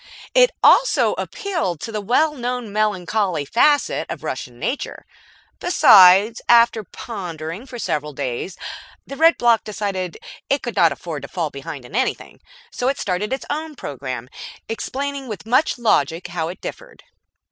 It also appealed to the well known melancholy facet of Russian nature. Besides, after pondering for several days, the Red Bloc decided it could not afford to fall behind in anything, so it started its own program, explaining with much logic how it differed.